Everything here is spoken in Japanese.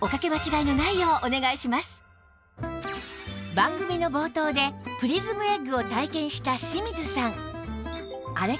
番組の冒頭でプリズムエッグを体験した清水さん